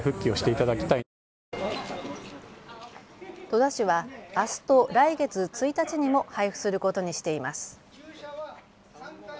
戸田市はあすと来月１日にも配布することにしています。